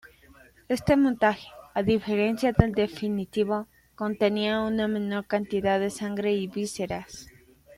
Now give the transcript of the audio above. Este montaje, a diferencia del definitivo, contenía una menor cantidad de sangre y vísceras.